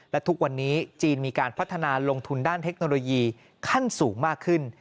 และทุกวันนี้จีนมีการพัฒนาลงทุนด้านเทคโนโลยีขั้นสูงมากขึ้น